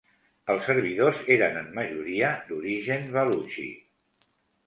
Els servidors eren en majoria d'origen balutxi.